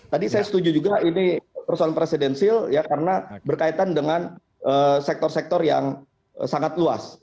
tadi saya setuju juga ini persoalan presidensil ya karena berkaitan dengan sektor sektor yang sangat luas